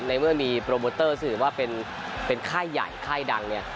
ในเมื่อมีโปรโมเตอร์สื่อว่าเป็นค่ายใหญ่ค่ายดังเนี่ย